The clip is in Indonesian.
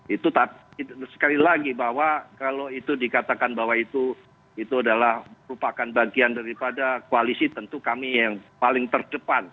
itu tapi sekali lagi bahwa kalau itu dikatakan bahwa itu adalah merupakan bagian daripada koalisi tentu kami yang paling terdepan